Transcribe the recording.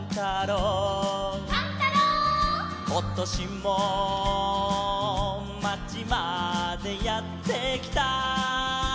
「ことしも町までやってきた」